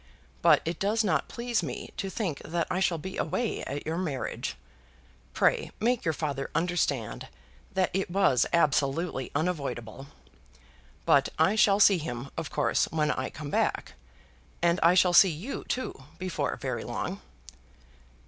But it does not please me to think that I shall be away at your marriage. Pray make your father understand that it was absolutely unavoidable. But I shall see him, of course, when I come back. And I shall see you too before very long."